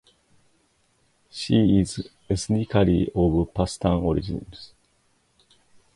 She is ethnically of Pashtun origins.